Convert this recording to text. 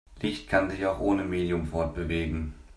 Licht kann sich auch ohne Medium fortbewegen.